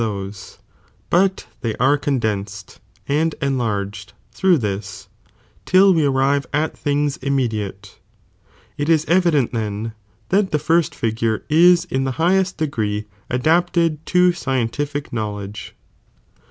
ihejm those, but they are condensed^ and enlargedj J^""fiJ^''" through this, till we arrive at things immediate t | i% proijuo it 13 evident, then, that the first figure ia in the f''"'r"(niie highest degree adapted to scientific knowledge.